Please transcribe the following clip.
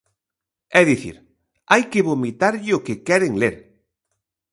É dicir, hai que vomitarlle o que queren ler.